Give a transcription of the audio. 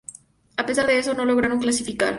A pesar de eso, no lograron clasificar.